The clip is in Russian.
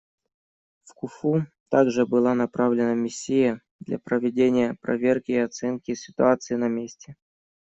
В Куффу также была направлена миссия для проведения проверки и оценки ситуации на месте.